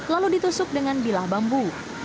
lalu ditusuk dengan bilah bambu